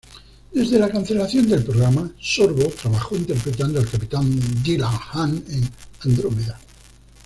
Desde la cancelación del programa, Sorbo trabajó interpretando al Capitán Dylan Hunt en "Andrómeda".